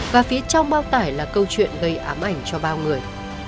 và phía trong bao tải là câu chuyện gây ám ảnh cho bao người